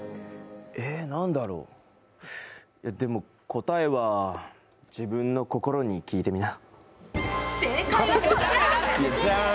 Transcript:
答えは自分の心に聞いてみな。